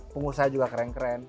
pengusaha juga keren keren